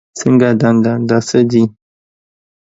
څنګه دنده، دا څه دي؟